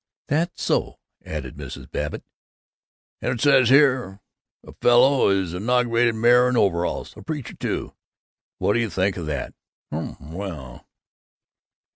"That's so," said Mrs. Babbitt. "And it says here a fellow was inaugurated mayor in overalls a preacher, too! What do you think of that!" "Humph! Well!"